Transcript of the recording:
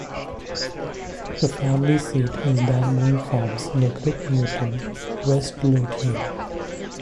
The family seat is Dalmahoy Farms, near Kirknewton, West Lothian.